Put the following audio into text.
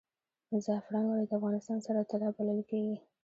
زعفران ولې د افغانستان سره طلا بلل کیږي؟